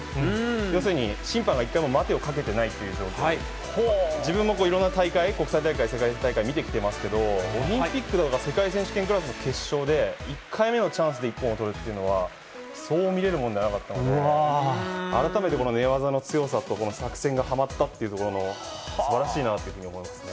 要するに、審判が一回も待てをかけてないという状況で、自分もいろんな大会、国際大会、世界大会、見てきてますけど、オリンピックとか世界選手権クラスの決勝で、１回目のチャンスで一本を取るというのは、そう見れるものではなかったので、改めてこの寝技の強さと、この作戦がはまったというところの、すばらしいなというふうに思いますね。